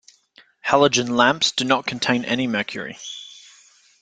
Halogen lamps do not contain any mercury.